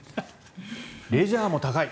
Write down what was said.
レジャーも高い。